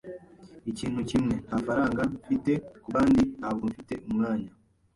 Ikintu kimwe, nta faranga mfite. Kubandi, ntabwo mfite umwanya.